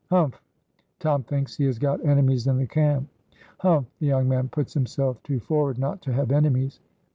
humph!" "Tom thinks he has got enemies in the camp." "Humph! the young man puts himself too forward not to have enemies."